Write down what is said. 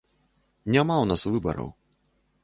Няма ў нас выбараў.